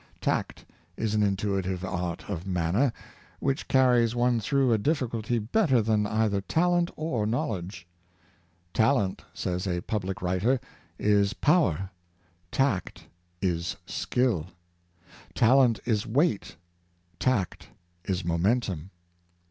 Tact is an intuitive art of manner, which carries one through a difficulty better than either talent or knowl edge. " Talent,'' says a public writer, " is power; tact is skill. Talent is weight; tact is momentum.